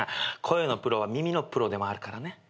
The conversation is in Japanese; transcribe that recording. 声のプロは耳のプロでもあるからね。